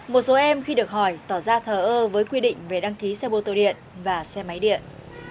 một số em khi được hỏi tỏ ra thờ ơ với quy định về đăng ký xe mô tô điện và xe máy điện